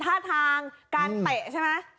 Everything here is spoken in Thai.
ท่าทางการเตะใช่ไหม